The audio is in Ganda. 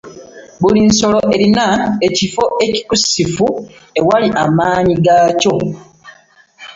Buli nsolo erina ekifo ekikusifu awali amanyi g'akyo